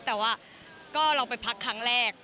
แต่ว่าก็เราไปพักครั้งแรก